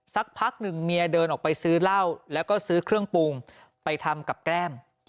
สักพักหนึ่งเมียเดินออกไปซื้อเหล้าแล้วก็ซื้อเครื่องปรุงไปทำกับแก้ม